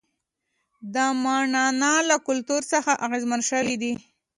د ماڼانا له کلتور څخه اغېزمن شوي دي.